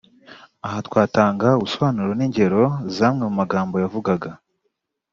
aha twatanga ubusobanuro n’ingero z’amwe mu magambo yavugaga